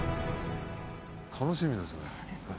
楽しみですね。